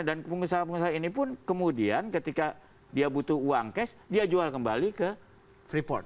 dan pengusaha pengusaha ini pun kemudian ketika dia butuh uang cash dia jual kembali ke freeport